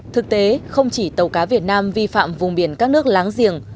thực tế không chỉ tàu cá việt nam vi phạm vùng biển các nước láng giềng